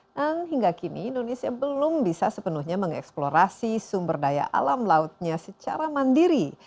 nah hingga kini indonesia belum bisa sepenuhnya mengeksplorasi sumber daya alam lautnya secara mandiri